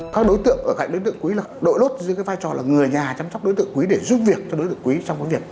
các đối tượng ở cạnh đối tượng quý là đội lốt dưới vai trò là người nhà chăm sóc đối tượng quý để giúp việc cho đối tượng quý trong công việc